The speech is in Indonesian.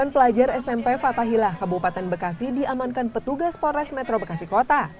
sembilan pelajar smp fatahilah kabupaten bekasi diamankan petugas polres metro bekasi kota